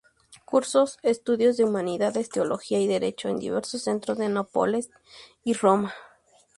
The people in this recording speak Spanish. Cursó estudios de Humanidades, Teología y Derecho, en diversos centros de Nápoles y Roma.